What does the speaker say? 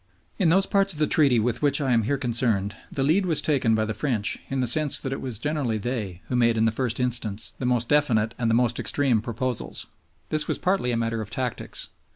In those parts of the Treaty with which I am here concerned, the lead was taken by the French, in the sense that it was generally they who made in the first instance the most definite and the most extreme proposals. This was partly a matter of tactics.